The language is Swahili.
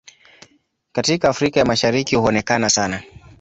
Katika Afrika ya Mashariki huonekana sana.